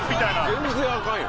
全然あかんよ。